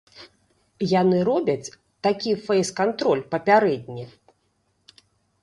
Яны робяць такі фэйс-кантроль папярэдне.